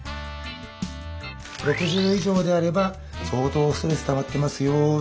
６０以上であれば相当ストレスたまってますよと。